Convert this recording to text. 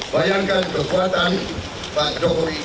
bayangkan kekuatan pak jokowi